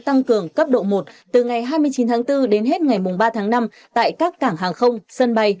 tăng cường cấp độ một từ ngày hai mươi chín tháng bốn đến hết ngày ba tháng năm tại các cảng hàng không sân bay